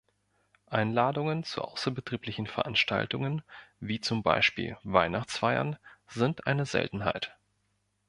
Einladungen zu außerbetrieblichen Veranstaltungen wie zum Beispiel Weihnachtsfeiern sind eine Seltenheit.